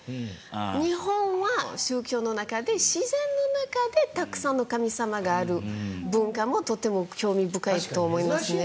日本は宗教の中で自然の中でたくさんの神様がある文化もとても興味深いと思いますね。